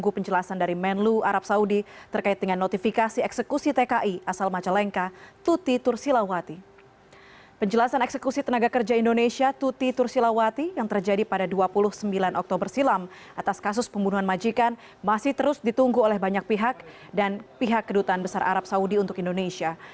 perti tursilawati yang terjadi pada dua puluh sembilan oktober silam atas kasus pembunuhan majikan masih terus ditunggu oleh banyak pihak dan pihak kedutaan besar arab saudi untuk indonesia